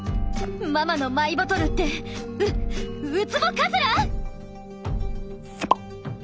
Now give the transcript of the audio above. ママのマイボトルってウウツボカズラ！？